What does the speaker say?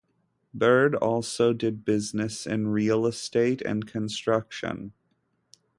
Byrd also did business in real estate and construction.